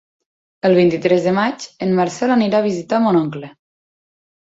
El vint-i-tres de maig en Marcel anirà a visitar mon oncle.